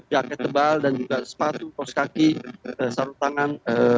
jaket tebal dan juga sepatu pos kaki sarung tangan